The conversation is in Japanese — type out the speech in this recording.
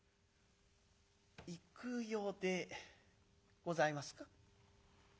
「幾代でございますか？